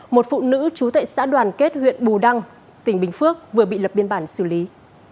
một phụ nữ trú tại xã đoàn kết huyện bù đăng tỉnh bình phước vừa bị lập biên bản xử lý